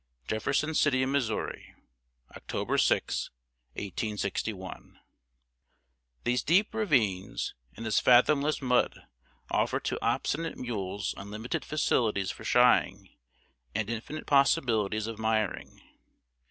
] JEFFERSON CITY, MO., October 6, 1861. These deep ravines and this fathomless mud offer to obstinate mules unlimited facilities for shying, and infinite possibilities of miring.